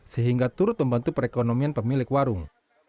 sehingga turut membantu perekonomian pemilik warung